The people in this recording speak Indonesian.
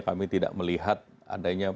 kami tidak melihat adanya